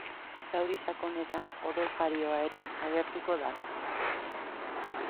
Zauri sakonetan odoljarioa ere agertuko da.